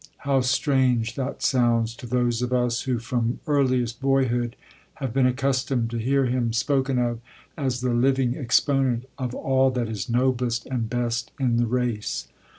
How strange that sounds to those of us who from earliest boyhood have been accustomed to hear him spoken of as the living exponent of all that is noblest and best in the race.